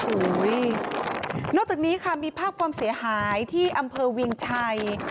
โอ้โหนอกจากนี้ค่ะมีภาพความเสียหายที่อำเภอเวียงชัย